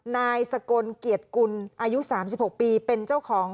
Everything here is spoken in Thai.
นายสกลเกียรติกุลอายุ๓๖ปีเป็นเจ้าของ